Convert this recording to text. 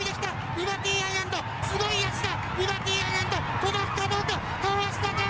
リバティアイランドすごい足だ。